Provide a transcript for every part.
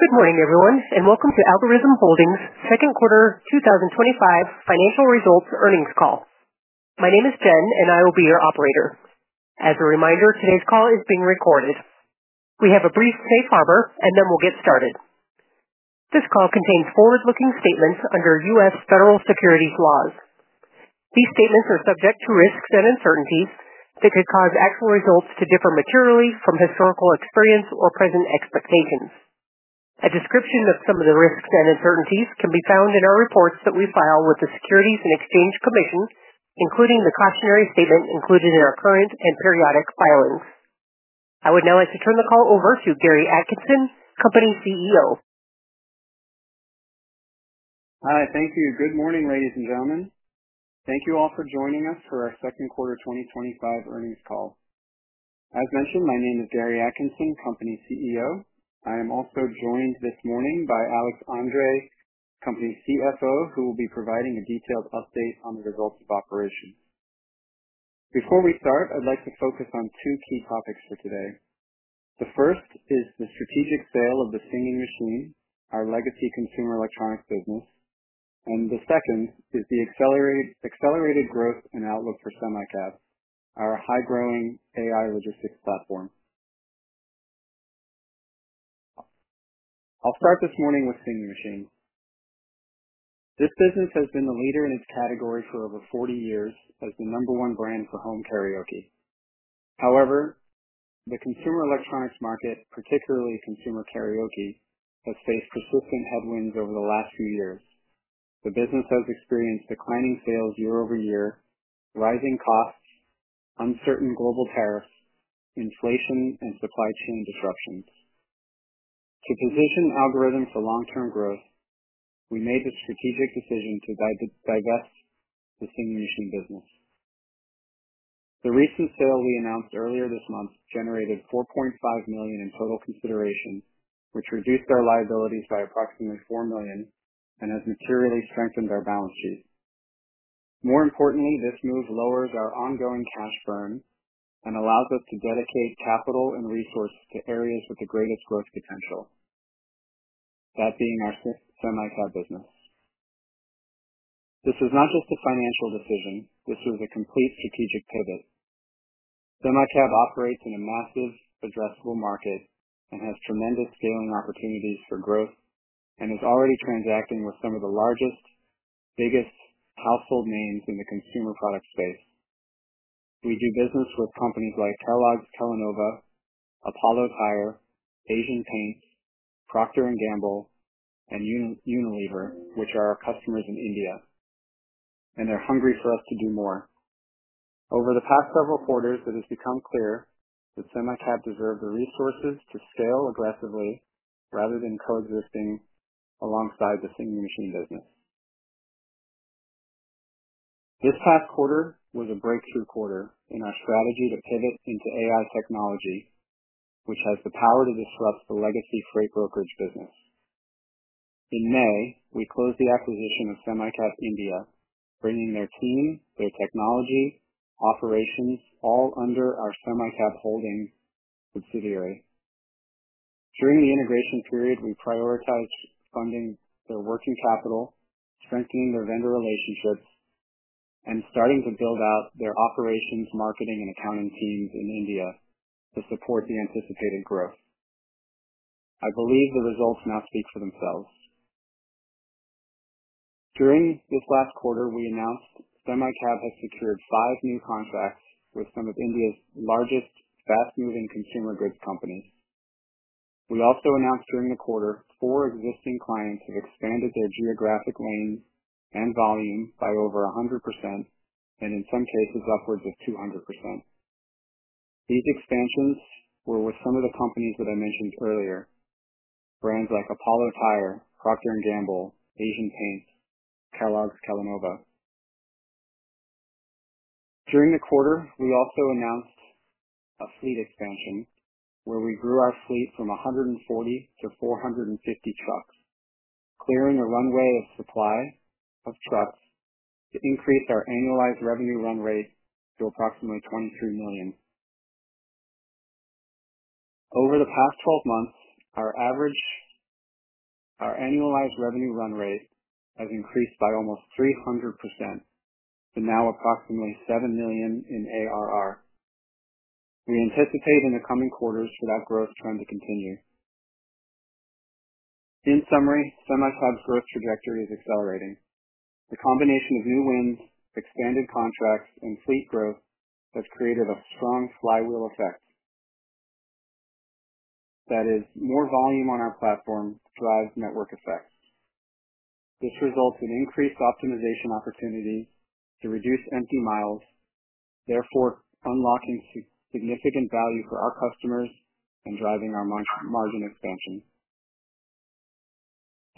Good morning, everyone, and welcome to Algorhythm Holdings' Second Quarter 2025 Financial Results Earnings Call. My name is Jen, and I will be your operator. As a reminder, today's call is being recorded. We have a brief safe harbor, and then we'll get started. This call contains forward-looking statements under U.S. Federal Securities Laws. These statements are subject to risks and uncertainties that could cause actual results to differ materially from historical experience or present expectations. A description of some of the risks and uncertainties can be found in our reports that we file with the Securities and Exchange Commission, including the cautionary statement included in our current and periodic filings. I would now like to turn the call over to Gary Atkinson, Company CEO. Hi, thank you. Good morning, ladies and gentlemen. Thank you all for joining us for our Second Quarter 2025 Earnings Call. As mentioned, my name is Gary Atkinson, Company CEO. I am also joined this morning by Alex Andre, Company CFO, who will be providing a detailed update on the results of operations. Before we start, I'd like to focus on two key topics for today. The first is the strategic sale of the Singing Machine, our legacy consumer electronics business, and the second is the accelerated growth and outlook for SemiCab, our high-growing AI logistics platform. I'll start this morning with Singing Machine. This business has been the leader in its category for over 40 years as the number one brand for home karaoke. However, the consumer electronics market, particularly consumer karaoke, has faced persistent headwinds over the last few years. The business has experienced declining sales year-over-year, rising costs, uncertain global tariffs, inflation, and supply chain disruptions. To position Algorhythm Holdings for long-term growth, we made the strategic decision to divest the Singing Machine business. The recent sale we announced earlier this month generated $4.5 million in total consideration, which reduced our liabilities by approximately $4 million and has materially strengthened our balance sheet. More importantly, this move lowers our ongoing cash burn and allows us to dedicate capital and resources to areas with the greatest growth potential, that being our SemiCab business. This was not just a financial decision; this was a complete strategic pivot. SemiCab operates in a massive, addressable market and has tremendous scaling opportunities for growth and is already transacting with some of the largest, biggest household names in the consumer product space. We do business with companies like TreLog, Telenova, Apollo Tyres, Asian Paints, Procter & Gamble, and Unilever, which are our customers in India, and they're hungry for us to do more. Over the past several quarters, it has become clear that SemiCab deserved the resources to scale aggressively rather than coexisting alongside the Singing Machine business. This past quarter was a breakthrough quarter in our strategy to pivot into AI technology, which has the power to disrupt the legacy freight brokerage business. In May, we closed the acquisition of SemiCab India, bringing their team, their technology, and operations all under our SemiCab Holding subsidiary. During the integration period, we prioritized funding their working capital, strengthening their vendor relationships, and starting to build out their operations, marketing, and accounting teams in India to support the anticipated growth. I believe the results now speak for themselves. During this last quarter, we announced SemiCab has secured five new contracts with some of India's largest, fast-moving consumer goods companies. We also announced during the quarter four existing clients have expanded their geographic lane and volume by over 100% and in some cases upwards of 200%. These expansions were with some of the companies that I mentioned earlier, brands like Apollo Tyres, Procter & Gamble, Asian Paints, TreLog, Telenova. During the quarter, we also announced a fleet expansion where we grew our fleet from 140-450 trucks, clearing a runway of supply of trucks to increase our annualized revenue run rate to approximately $23 million. Over the past 12 months, our AAR run rate has increased by almost 300% to now approximately $7 million in ARR. We anticipate in the coming quarters for that growth trend to continue. In summary, SemiCab's growth trajectory is accelerating. The combination of new wins, expanded contracts, and fleet growth has created a strong flywheel effect. That is, more volume on our platform drives network effects. This results in increased optimization opportunities to reduce empty miles, therefore unlocking significant value for our customers and driving our margin expansion.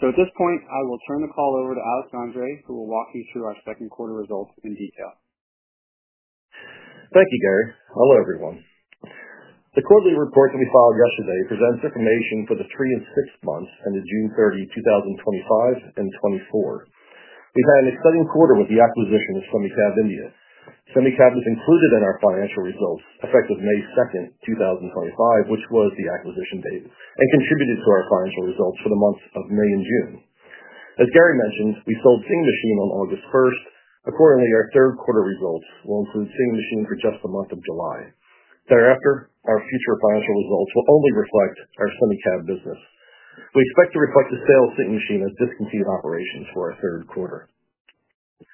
At this point, I will turn the call over to Alex Andre, who will walk you through our second quarter results in detail. Thank you, Gary. Hello, everyone. The quarterly report that we filed yesterday presents information for the three and six months ending June 30, 2025 and 2024. We ran a seventh quarter with the acquisition of SemiCab India. SemiCab was included in our financial results effective May 2, 2025, which was the acquisition date, and contributed to our financial results for the months of May and June. As Gary mentioned, we sold Singing Machine on August 3. Accordingly, our third quarter results will include Singing Machine for just the month of July. Thereafter, our future financial results will only reflect our SemiCab business. We expect to reflect the sale of Singing Machine as discontinued operations for our third quarter.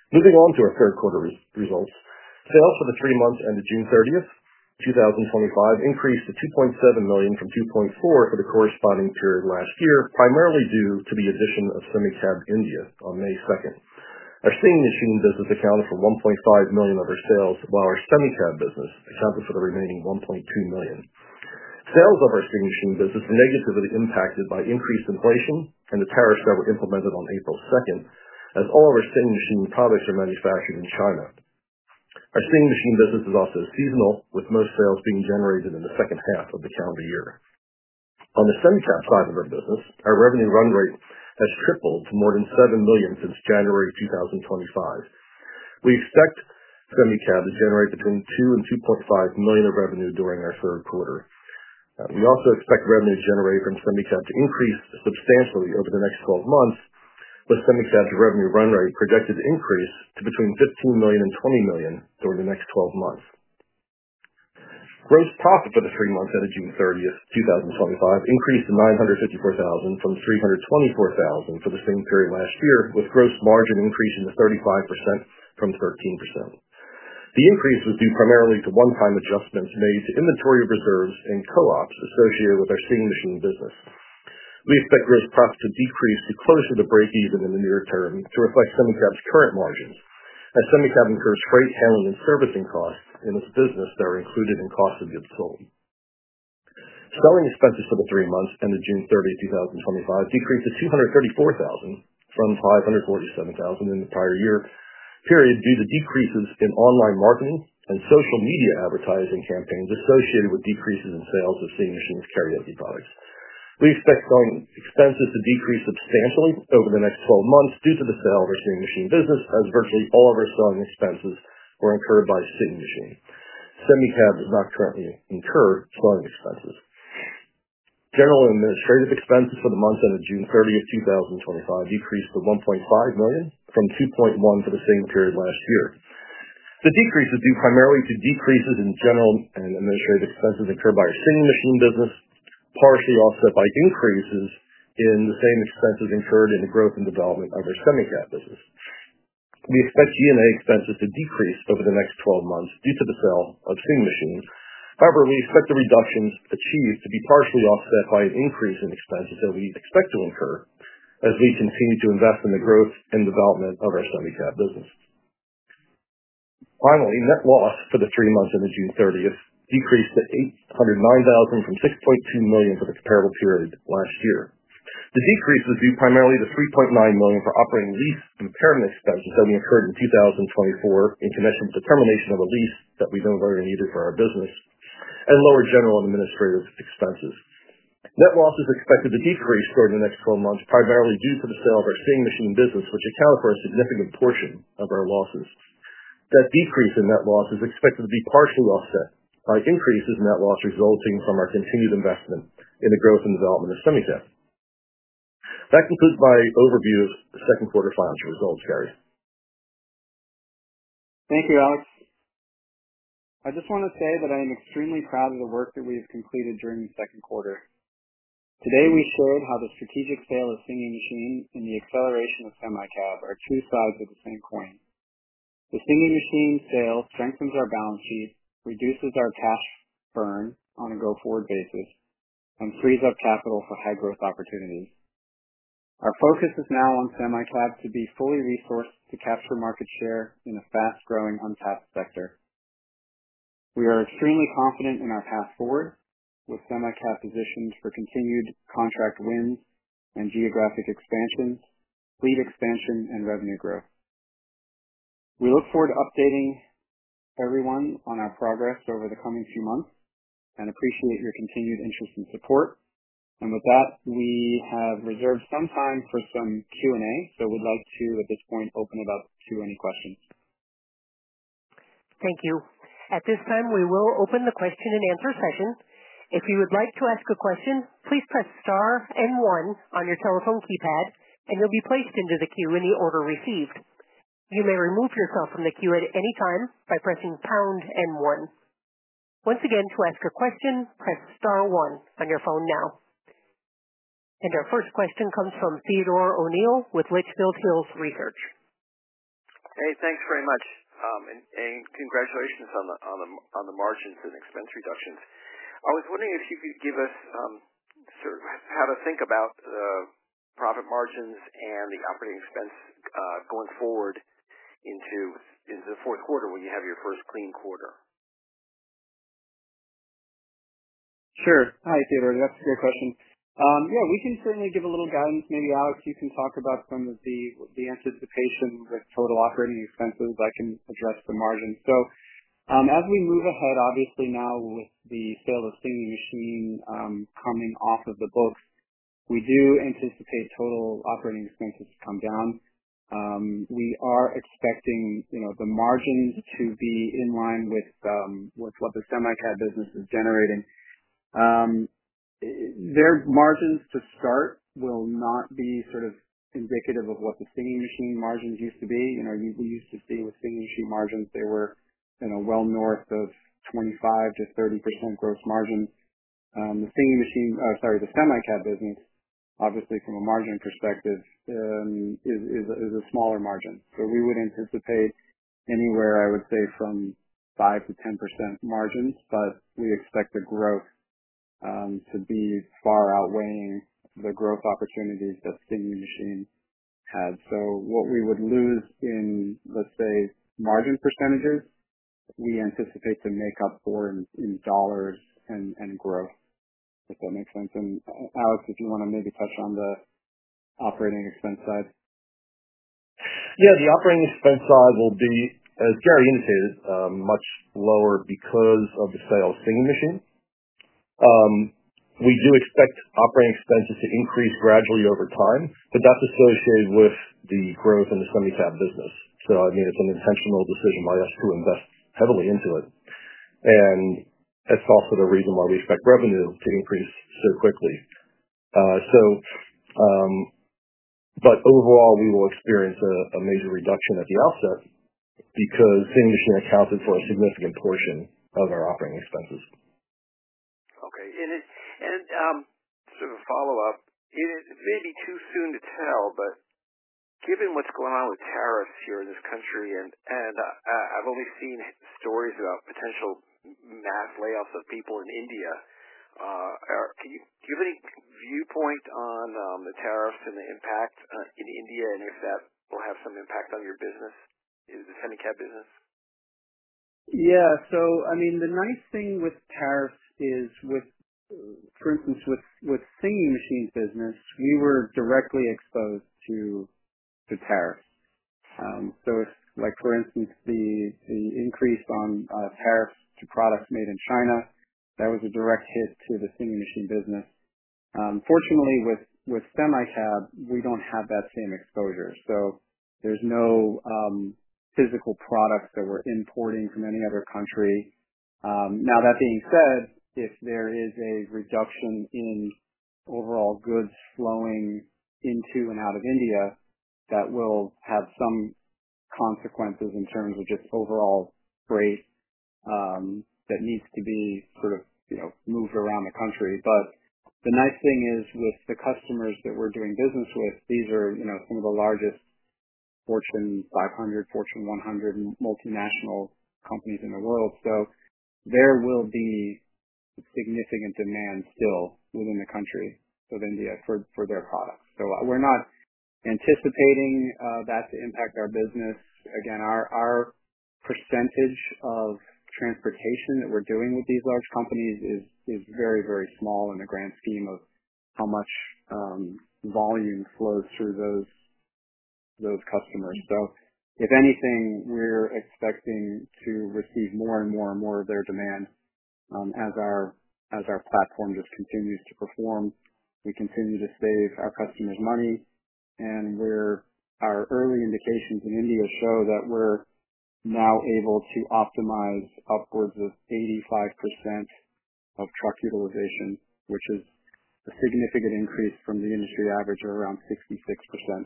Moving on to our third quarter results, sales for the three months ending June 30, 2025 increased to $2.7 million from $2.4 million for the corresponding period last year, primarily due to the addition of SemiCab India on May 2. Our Singing Machine business accounts for $1.5 million of our sales, while our SemiCab business accounts for the remaining $1.3 million. Sales of our Singing Machine business are negatively impacted by increased inflation and the tariffs that were implemented on April 2, as all of our Singing Machine products are manufactured in China. Our Singing Machine business is often seasonal, with most sales being generated in the second half of the calendar year. On the SemiCab side of our business, our RRR has tripled to more than $7 million since January 2025. We expect SemiCab to generate between $2 million and $2.5 million of revenue during our third quarter. We also expect revenues generated from SemiCab to increase substantially over the next 12 months, with SemiCab's revenue run rate projected to increase to between $15 million and $20 million over the next 12 months. Gross profit for the three months ending June 30, 2025, increased to $954,000 from $324,000 for the same period last year, with gross margin increasing to 35% from 13%. The increase was due primarily to one-time adjustments made to inventory reserves and co-ops associated with our Singing Machine business. We expect gross profit to decrease to close to the break-even in the near term to reflect SemiCab's current margins. At SemiCab, incurred freight handling and servicing costs in this business that are included in the cost of the utility. Selling expenses for the three months ending June 30, 2025, decreased to $234,000 from $547,000 in the prior year period due to decreases in online marketing and social media advertising campaigns associated with decreases in sales of Singing Machine's karaoke products. We expect some expenses to decrease substantially over the next 12 months due to the sale of our Singing Machine business, as virtually all of our selling expenses were incurred by Singing Machine. SemiCab is not currently incurring selling expenses. General and administrative expenses for the month ending June 30, 2025, decreased to $1.5 million from $2.1 million for the same period last year. The decrease is due primarily to decreases in general and administrative expenses incurred by our Singing Machine business, partially offset by decreases in the same expenses incurred in the growth and development of our SemiCab business. We expect G&A expenses to decrease over the next 12 months due to the sale of Singing Machine. However, we expect the reductions achieved to be partially offset by an increase in expenses that we expect to incur as we continue to invest in the growth and development of our SemiCab business. Finally, net loss for the three months ending June 30 decreased to $809,000 from $6.2 million for the comparable period last year. The decrease was due primarily to $3.9 million for operating lease impairment expenses that we incurred in 2024 in connection with the termination of a lease that we no longer needed for our business and lower general and administrative expenses. Net loss is expected to decrease during the next 12 months, primarily due to the sale of our Singing Machine business, which accounts for a significant portion of our losses. That decrease in net loss is expected to be partially offset by increases in net loss resulting from our continued investment in the growth and development of SemiCab. That concludes my overview of the second quarter financial results, Gary. Thank you, Alex. I just want to say that I am extremely proud of the work that we've completed during the second quarter. Today, we showed how the strategic sale of Singing Machine and the acceleration of SemiCab are two sides of the same coin. The Singing Machine sale strengthens our balance sheet, reduces our cash burn on a go-forward basis, and frees up capital for high-growth opportunities. Our focus is now on SemiCab to be fully resourced to capture market share in a fast-growing untapped sector. We are extremely confident in our path forward with SemiCab positioned for continued contract wins and geographic expansions, fleet expansion, and revenue growth. We look forward to updating everyone on our progress over the coming few months and appreciate your continued interest and support. We have reserved some time for some Q&A, so we'd like to, at this point, open it up to any questions. Thank you. At this time, we will open the question and answer cycle. If you would like to ask a question, please press star and one on your telephone keypad, and you'll be placed into the queue in the order received. You may remove yourself from the queue at any time by pressing pound and one. Once again, to ask a question, press star one on your phone now. Our first question comes from Theodore Rudd O'Neill with Litchfield Hills Research. Hey, thanks very much, and congratulations on the margins and expense reductions. I was wondering if you could give us sort of how to think about the profit margins and the operating expense going forward into the fourth quarter when you have your first clean quarter. Sure. Hi, Theodore. That's a great question. Yeah, we can certainly give a little guidance. Maybe Alex, you can talk about some of the anticipation with total operating expenses. I can address the margins. As we move ahead, obviously now with the sale of Singing Machine coming off of the book, we do anticipate total operating expenses to come down. We are expecting, you know, the margins to be in line with what the SemiCab business is generating. Their margins to start will not be sort of indicative of what the Singing Machine margins used to be. You know, you used to see with Singing Machine margins they were, you know, well north of 25%-30% gross margin. The Singing Machine, sorry, the SemiCab business, obviously from a margin perspective, is a smaller margin. We would anticipate anywhere, I would say, from 5%-10% margins, but we expect the growth to be far outweighing the growth opportunities that Singing Machine had. What we would lose in, let's say, margin percentages, we anticipate to make up for in dollars and growth, if that makes sense. Alex, if you want to maybe touch on the operating expense side. Yeah, the operating expense side will be, as Gary indicated, much lower because of the sale of Singing Machine. We do expect operating expenses to increase gradually over time, but that's associated with the growth in the SemiCab business. I mean, it's an intentional decision by us to invest heavily into it. It's also the reason why we expect revenue to increase so quickly. Overall, we will experience a major reduction at the offset because Singing Machine accounted for a significant portion of our operating expenses. Okay. Sort of a follow-up. It may be too soon to tell, but given what's going on with tariffs here in this country, I've only seen stories about potential mass layoffs of people in India. Do you have any viewpoint on the tariffs and the impact in India and if that will have some impact on your business, the SemiCab business? Yeah. The nice thing with tariffs is, for instance, with Singing Machine's business, we were directly exposed to the tariffs. For instance, the increase on tariffs to products made in China, that was a direct hit to the Singing Machine business. Unfortunately, with SemiCab, we don't have that same exposure. There's no physical products that we're importing from any other country. Now, that being said, if there is a reduction in overall goods flowing into and out of India, that will have some consequences in terms of just overall freight that needs to be moved around the country. The nice thing is with the customers that we're doing business with, these are some of the largest Fortune 500, Fortune 100 multinational companies in the world. There will be significant demand still within the country of India for their products. We're not anticipating that to impact our business. Again, our percentage of transportation that we're doing with these large companies is very, very small in the grand scheme of how much volume flows through those customers. If anything, we're expecting to receive more and more of their demand, as our platform just continues to perform. We continue to save our customers money. Our early indications in India show that we're now able to optimize upwards of 85% of truck utilization, which is a significant increase from the industry average of around 56%.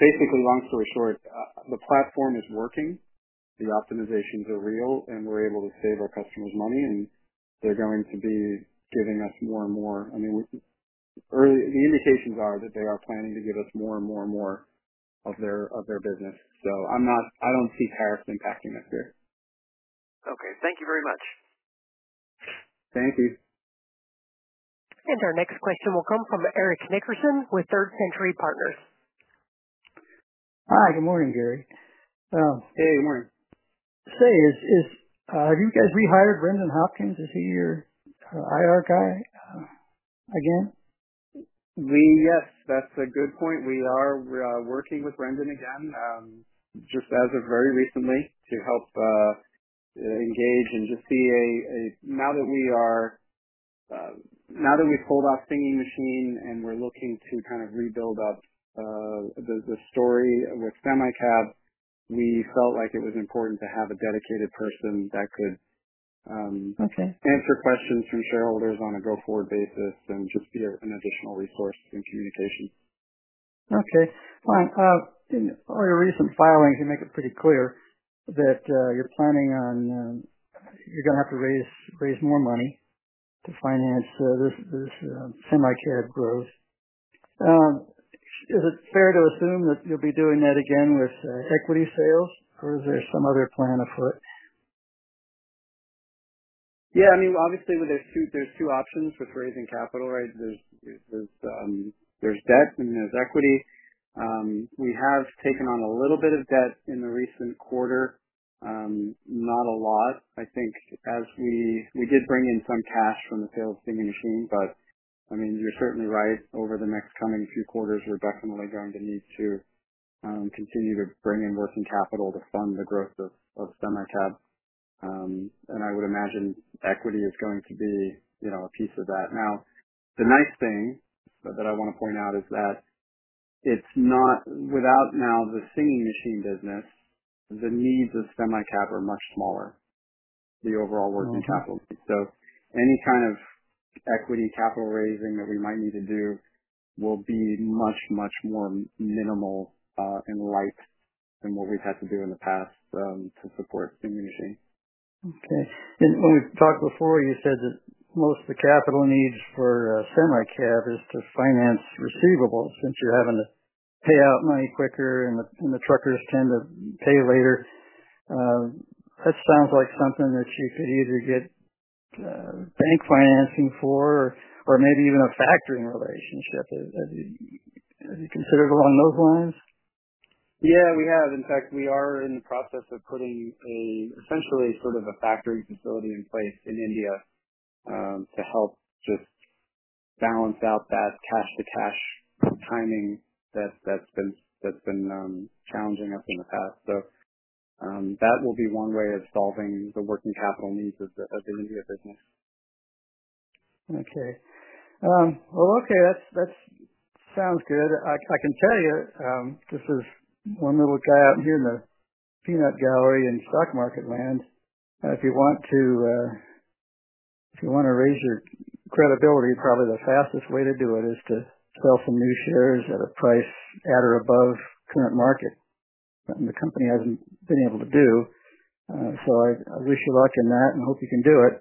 Basically, long story short, the platform is working. The optimizations are real, and we're able to save our customers money, and they're going to be giving us more and more. The early indications are that they are planning to give us more and more of their business. I don't see tariffs impacting us here. Okay, thank you very much. Thank you. Our next question will come from Eric Nickerson with Third Century Partners. Hi. Good morning, Gary. Hey, good morning. Hey, have you guys rehired Brendan Hopkins? Is he your IR guy again? Yes, that's a good point. We are working with Brendan Hopkins again, just as of very recently to help engage and to see, now that we've pulled off Singing Machine Company and we're looking to kind of rebuild up the story with SemiCab, we felt like it was important to have a dedicated person that could answer questions from shareholders on a go-forward basis and just be an additional resource in communication. Okay. In all your recent filing, you make it pretty clear that you're planning on, you're going to have to raise more money to finance this, this SemiCab growth. Is it fair to assume that you'll be doing that again with equity sales, or is there some other plan afoot? Yeah, I mean, obviously, when there's two options with raising capital, right? There's debt and there's equity. We have taken on a little bit of debt in the recent quarter, not a lot. I think as we did bring in some cash from the sale of Singing Machine, but I mean, you're certain to rise over the next coming few quarters. We're definitely going to need to continue to bring in working capital to fund the growth of SemiCab, and I would imagine equity is going to be, you know, a piece of that. Now, the nice thing that I want to point out is that now without the Singing Machine business, the needs of SemiCab are much smaller, the overall working capital needs. Any kind of equity capital raising that we might need to do will be much, much more minimal and light than what we've had to do in the past to support Singing Machine. Okay. When we've talked before, you said that most of the capital need for SemiCab is to finance receivables since you're having to pay out money quicker and the truckers tend to pay later. That sounds like something that you could either get bank financing for or maybe even a factoring relationship. Have you considered along those lines? Yeah, we have. In fact, we are in the process of putting essentially sort of a factory facility in place in India to help just balance out that cash-to-cash timing that's been challenging us in the past. That will be one way of solving the working capital needs of the India business. Okay, that sounds good. I can tell you, this is one little guy out here in the peanut gallery in stock market land. If you want to raise your credibility, probably the fastest way to do it is to sell some new shares at a price at or above the current market. The company hasn't been able to do that, so I wish you luck in that and hope you can do it.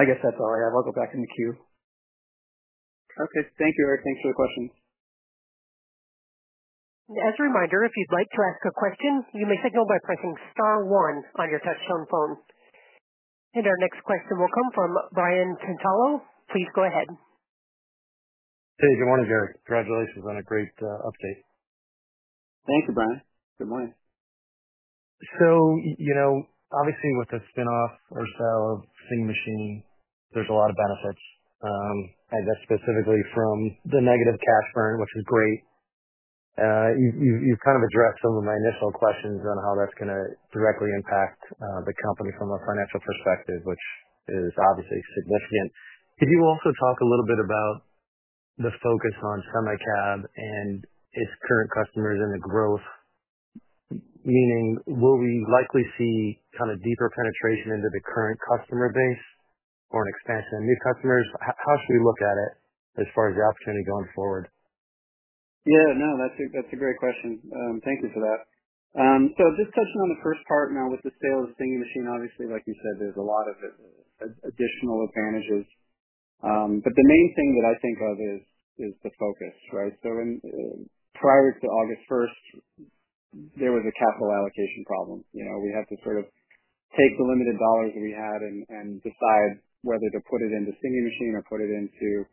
I guess that's all I have. I'll go back in the queue. Okay. Thank you, Eric. Thanks for the questions. As a reminder, if you'd like to ask a question, you may signal by pressing star one on your telephone. Our next question will come from Brian Tantalo. Please go ahead. Hey, good morning, Gary. Congratulations on a great update. Thank you, Brian. Good morning. Obviously, with the spin-off as well of Singing Machine, there's a lot of benefits, and that's specifically from the negative cash burn, which is great. You've kind of addressed some of my initial questions on how that's going to directly impact the company from a financial perspective, which is obviously significant. Could you also talk a little bit about the focus on SemiCab and its current customers and the growth, meaning will we likely see kind of deeper penetration into the current customer base or an expansion on these customers? How should we look at it as far as the opportunity going forward? Yeah, no, that's a great question. Thank you for that. Just touching on the first part, now with the sale of Singing Machine, obviously, like you said, there's a lot of additional advantages, but the main thing that I think of is the focus, right? Prior to August 1st, there was a capital allocation problem. We had to sort of take the limited dollars that we had and decide whether to put it into Singing Machine or put it into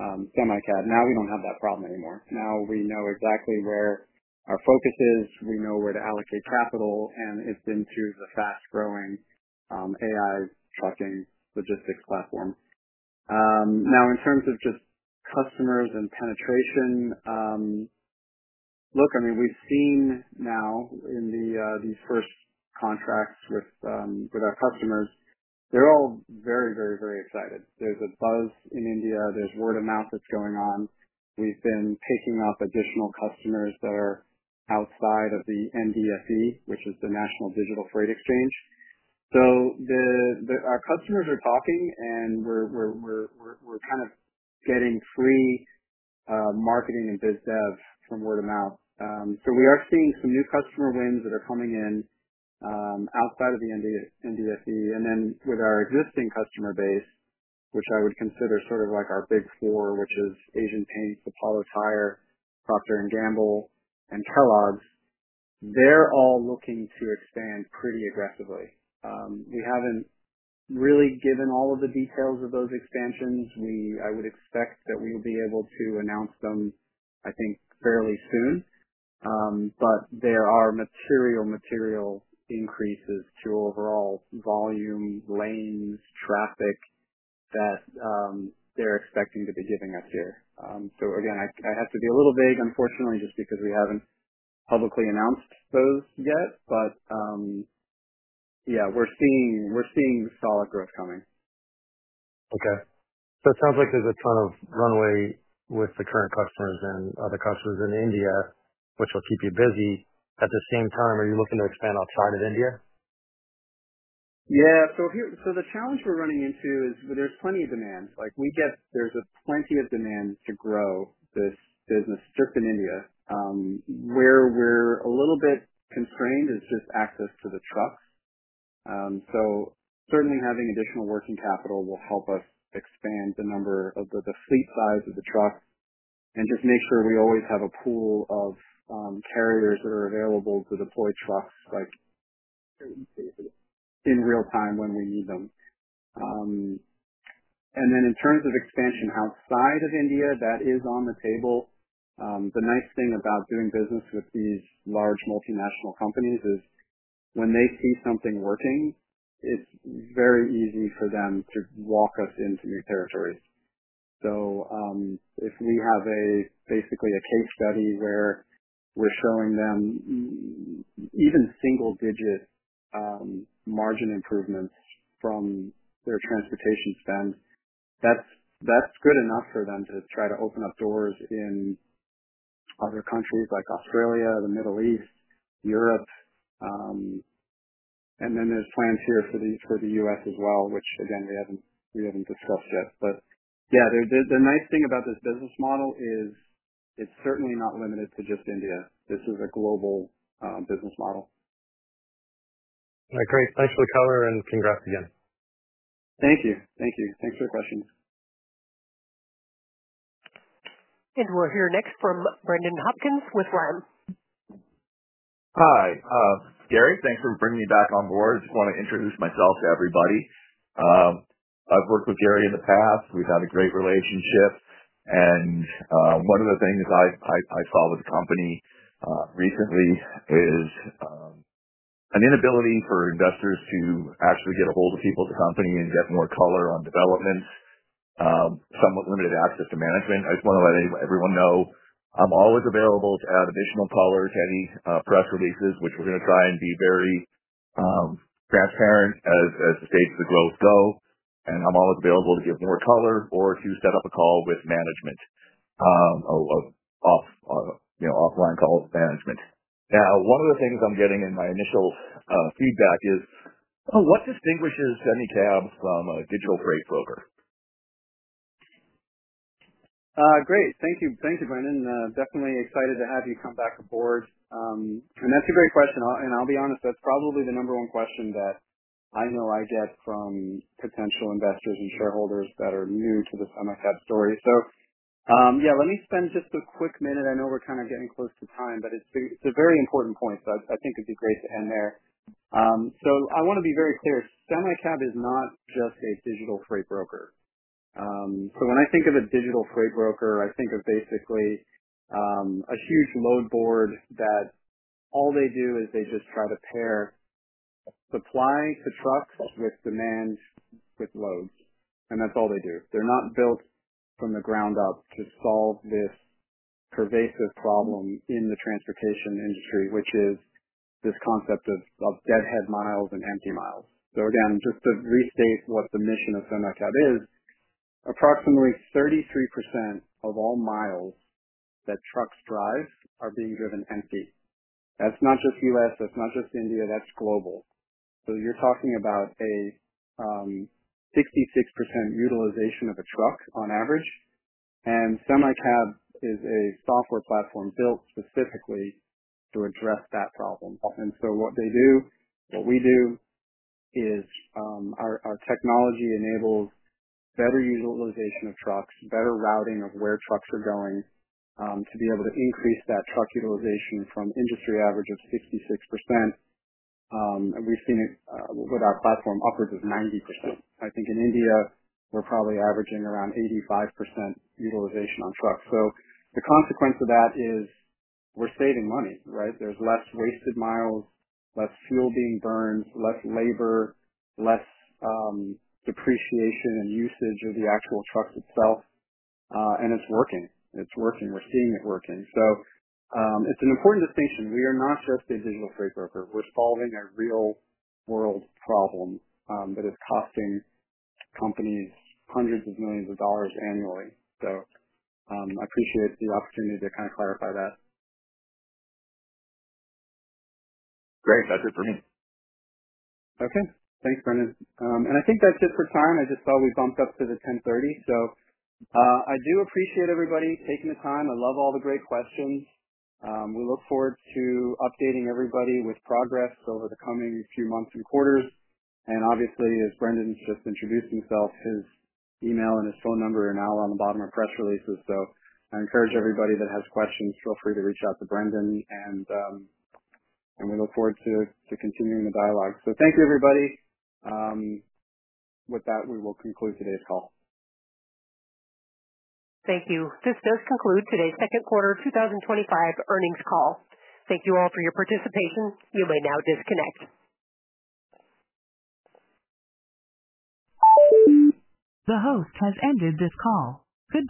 SemiCab. Now we don't have that problem anymore. Now we know exactly where our focus is. We know where to allocate capital, and it's been through the fast-growing AI trucking logistics platform. Now in terms of just customers and penetration, we've seen now in these first contracts with our customers, they're all very, very, very excited. There's a buzz in India. There's word of mouth that's going on. We've been taking up additional customers that are outside of the NDFE, which is the National Digital Freight Exchange. Our customers are talking, and we're kind of getting free marketing and biz dev from word of mouth. We are seeing some new customer wins that are coming in outside of the NDFE. With our existing customer base, which I would consider sort of like our big four, which is Asian Paints, Apollo Tyres, Procter & Gamble, and TreLog, they're all looking to expand pretty aggressively. We haven't really given all of the details of those expansions. I would expect that we will be able to announce them, I think, fairly soon. There are material increases to overall volume, lanes, traffic that they're expecting to be giving us here. I have to be a little vague, unfortunately, just because we haven't publicly announced those yet. Yeah, we're seeing solid growth coming. Okay. It sounds like there's a ton of runway with the current customers and other customers in India, which will keep you busy. At the same time, are you looking to expand outside of India? Yeah. If you're, the challenge we're running into is there's plenty of demand. Like, we guess there's plenty of demand to grow this business strict in India. Where we're a little bit constrained is just access to the trucks. Certainly, having additional working capital will help us expand the number of the fleet size of the trucks and just make sure we always have a pool of carriers that are available to deploy trucks in real time when we need them. In terms of expansion outside of India, that is on the table. The nice thing about doing business with these large multinational companies is when they see something working, it's very easy for them to walk us into new territories. If we have basically a case study where we're showing them even single-digit margin improvements from their transportation spend, that's good enough for them to try to open up doors in other countries like Australia, the Middle East, Europe. There are plans here for the U.S. as well, which again, we haven't discussed yet. The nice thing about this business model is it's certainly not limited to just India. This is a global business model. All right, great. Thanks for the cover and congrats again. Thank you. Thank you. Thanks for the questions. We'll hear next from Brendan Hopkins with The Singing Machine Co., Inc. Hi. Gary, thanks for bringing me back on board. I want to introduce myself to everybody. I've worked with Gary in the past. We've had a great relationship. One of the things I saw with the company recently is an inability for investors to actually get a hold of people at the company and get more color on developments, some with limited access to management. I just want to let everyone know I'm always available to add additional color to any press releases, which we're going to try and be very transparent as the states of the growth go. I'm always available to give more color or to set up a call with management, you know, offline call with management. One of the things I'm getting in my initial feedback is, oh, what distinguishes any tab from a digital freight floater? Great. Thank you. Thank you, Brendan. Definitely excited to have you come back aboard. That's a great question. I'll be honest, that's probably the number one question that I know I get from potential investors and shareholders that are new to the SemiCab story. Let me spend just a quick minute. I know we're kind of getting close to time, but it's a very important point. I think it'd be great to end there. I want to be very clear. SemiCab is not just a digital freight broker. When I think of a digital freight broker, I think of basically a huge load board that all they do is just try to pair supply to trucks with demand with loads. That's all they do. They're not built from the ground up to solve this pervasive problem in the transportation industry, which is this concept of deadhead miles and empty miles. Just to restate what the mission of SemiCab is, approximately 33% of all miles that trucks drive are being driven empty. That's not just U.S. That's not just India. That's global. You're talking about a 66% utilization of a truck on average. SemiCab is a software platform built specifically to address that problem. What they do, what we do is, our technology enables better utilization of trucks, better routing of where trucks are going, to be able to increase that truck utilization from industry average of 66%. We've seen it with our platform upwards of 90%. I think in India, we're probably averaging around 85% utilization on trucks. The consequence of that is we're saving money, right? There's less wasted miles, less fuel being burned, less labor, less depreciation and usage of the actual trucks itself. It's working. We're seeing it working. It's an important distinction. We are not just a digital freight broker. We're solving a real-world problem that is costing companies $100s million annually. I appreciate the opportunity to kind of clarify that. Great. That's it for me. Okay. Thanks, Brendan. I think that's it for time. I just saw we bumped up to 10:30 A.M. I do appreciate everybody taking the time. I love all the great questions. We look forward to updating everybody with progress over the coming few months and quarters. Obviously, as Brendan just introduced himself, his email and his phone number are now on the bottom of press releases. I encourage everybody that has questions, feel free to reach out to Brendan. We look forward to continuing the dialogue. Thank you, everybody. With that, we will conclude today's call. Thank you. This does conclude today's second quarter 2025 earnings call. Thank you all for your participation. You may now disconnect. The host has ended this call. Goodbye.